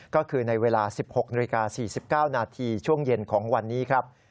ก็คือในเวลา๑๖นาฬิกา๔๙นาทีช่วงเย็นของวันนี้ครับ